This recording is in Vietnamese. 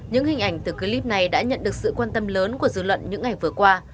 những hình ảnh từ clip này đã nhận được sự quan tâm lớn của dư luận những ngày vừa qua